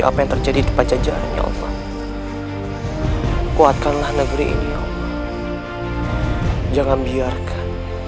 apa yang terjadi di pajajarannya allah kuatkanlah negeri ini jangan biarkan